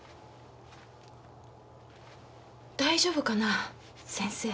大丈夫かな先生。